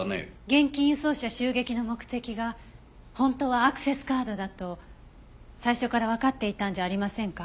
現金輸送車襲撃の目的が本当はアクセスカードだと最初からわかっていたんじゃありませんか？